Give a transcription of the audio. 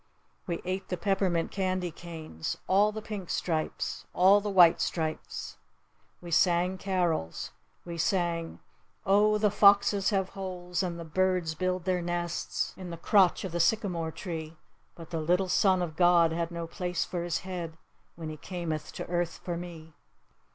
We ate the peppermint candy canes. All the pink stripes. All the white stripes. We sang carols. We sang, O, the foxes have holes! And the birds build their nests In the crotch of the sycamore tree! But the Little Son of God had no place for His head When He cameth to earth for me!